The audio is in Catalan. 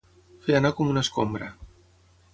Fer anar com una escombra.